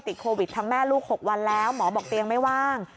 ติดโควิดทั้งแม่ลูก๖วันแล้วหมอบอกเตียงไม่ว่าง